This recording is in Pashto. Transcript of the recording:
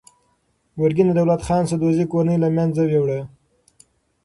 ګورګین د دولت خان سدوزي کورنۍ له منځه یووړه.